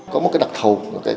có một cái đặc thù